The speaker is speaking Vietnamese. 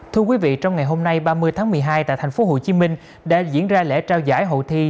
thưa quý vị trong ngày hôm nay ba mươi tháng một mươi hai tại tp hcm đã diễn ra lễ trao giải hội thi